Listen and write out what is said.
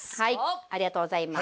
ありがとうございます。